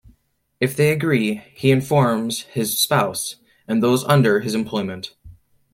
If they agree, he informs his spouse and those under his employment.